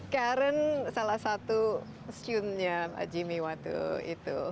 karen salah satu studentnya jimmy watu itu